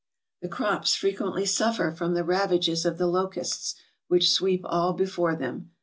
The crops frequently suffer from the ravages of the locusts, which sweep all before them.